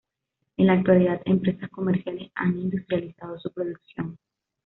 En la actualidad empresas comerciales han industrializado su producción.